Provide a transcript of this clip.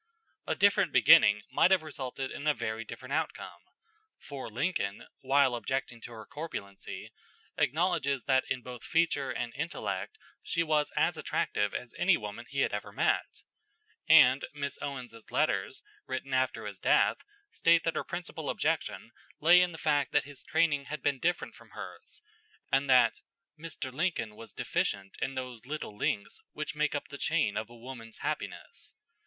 A different beginning might have resulted in a very different outcome, for Lincoln, while objecting to her corpulency, acknowledges that in both feature and intellect she was as attractive as any woman he had ever met; and Miss Owens's letters, written after his death, state that her principal objection lay in the fact that his training had been different from hers, and that "Mr. Lincoln was deficient in those little links which make up the chain of a woman's happiness."